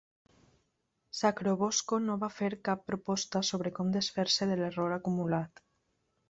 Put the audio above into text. Sacrobosco no va fer cap proposta sobre com desfer-se de l'error acumulat.